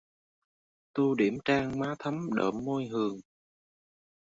Tô điểm trang má thắm đượm môi hường